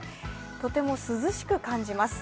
とても涼しく感じます。